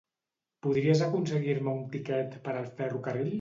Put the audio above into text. Podries aconseguir-me un tiquet per al ferrocarril?